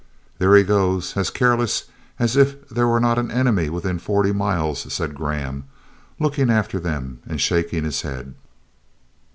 "There he goes as careless as if there was not an enemy within forty miles," said Graham, looking after them, and shaking his head.